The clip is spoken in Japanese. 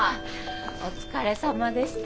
お疲れさまでした。